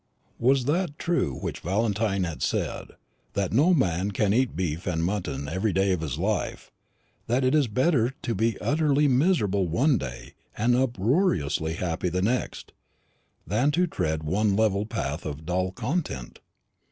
Was that true which Valentine had said, that no man can eat beef and mutton every day of his life; that it is better to be unutterly miserable one day and uproariously happy the next, than to tread one level path of dull content?